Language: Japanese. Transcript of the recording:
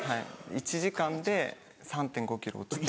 １時間で３．５ｋｇ落ちる？